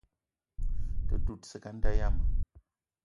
Te dout ciga a nda yiam.